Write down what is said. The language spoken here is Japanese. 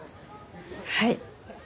はい。